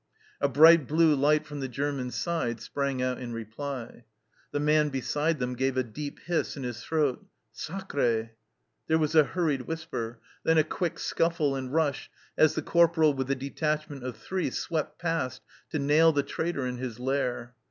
A bright blue light from the German side sprang out in reply. The man beside them gave a deep hiss in his throat, "S s sacre' !" There was a hurried whisper, then a quick scuffle and rush as the corporal with a detachment of three swept past to nail the traitor in his lair.